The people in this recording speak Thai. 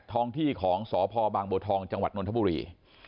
ทองที่ของสพบางโบทองจนธปุรี